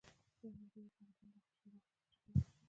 یو ملګري د طالبانو له خشن برخورد څخه شکایت وکړ.